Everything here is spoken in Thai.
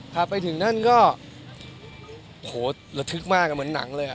ถ้าไปถึงนั่นก็โหระทึกมากเหมือนหนังเลยอ่ะ